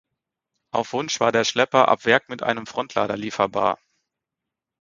Auf Wunsch war der Schlepper ab Werk mit einem Frontlader lieferbar.